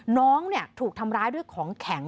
น้องถูกทำร้ายด้วยของแข็ง